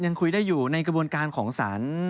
ยังคุยได้อยู่ในกระบวนการของศาล